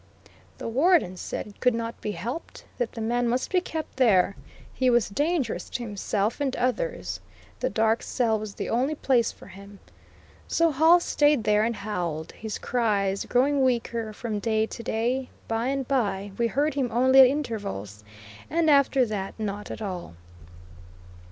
The Warden said it could not be helped; that the man must be kept there; he was dangerous to himself and others; the dark cell was the only place for him. So Hall stayed there and howled, his cries growing weaker from day to day; by and by we heard him only at intervals, and after that not at all.